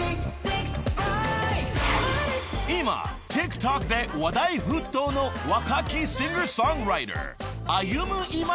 ［今ＴｉｋＴｏｋで話題沸騰の若きシンガー・ソングライター］